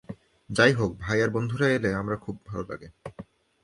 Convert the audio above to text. যাই হোক, ভাইয়ার বন্ধুরা এলে আমার খুব ভালো লাগে।